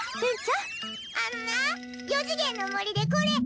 あんな四次元の森でこれ。